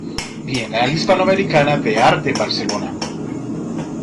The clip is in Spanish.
Bienal Hispanoamericana de Arte en Barcelona.